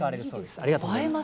ありがとうございます。